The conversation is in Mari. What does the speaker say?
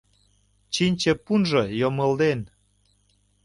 Чинче пунжо йомылден –